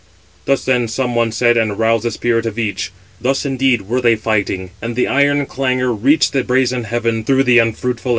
Thus, then, some one said, and aroused the spirit of each. Thus indeed were they fighting; and the iron clangour 558 reached the brazen heaven through the unfruitful air.